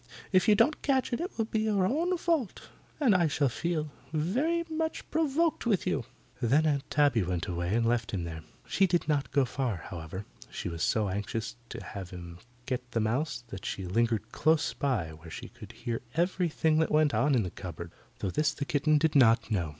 If you don't catch it, it will be your own fault, and I shall feel very much provoked with you." Then Aunt Tabby went away and left him there. She did not go very far, however. She was so anxious to have him get the mouse that she lingered close by where she could hear everything that went on in the cupboard though this the kitten did not know.